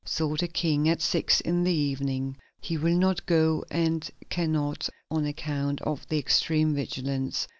Saw the King at six in the evening. He will not go and can not, on account of the extreme vigilance.